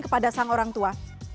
kepada sang orang tua